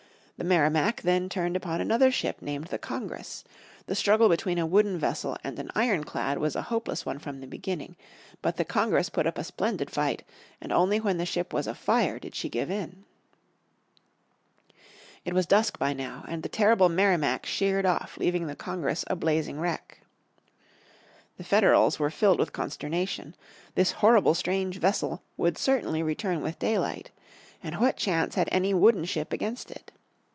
The Merrimac then turned upon another ship named the Congress. The struggle between a wooden vessel and an ironclad was a hopeless one from the beginning. But the Congress put up a splendid fight, and only when the ship was afire did she give in. It was dusk by now and the terrible Merrimac sheered off leaving the Congress a blazing wreck. The Federals were filled with consternation. This horrible strange vessel would certainly return with daylight. And what chance had any wooden ship against it?